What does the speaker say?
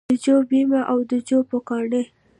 د جو بیمه او د جو پوکاڼې